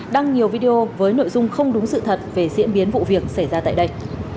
đăng nhiều video với nội dung không đúng sự thật về diễn biến vụ việc xảy ra tại đây